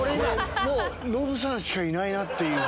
もうノブさんしかいないなっ